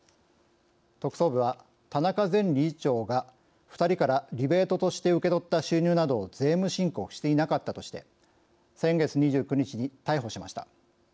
特捜部は田中前理事長が２人からリベートとして受け取った収入などを税務申告していなかったとして先月２９日に逮捕しました。